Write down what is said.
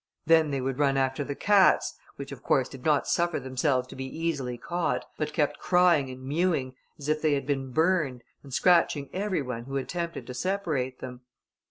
Then they would run after the cats, which, of course, did not suffer themselves to be easily caught, but kept crying and mewing, as if they had been burned, and scratching every one who attempted to separate them.